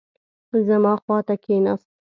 زما خوا ته کښېناست.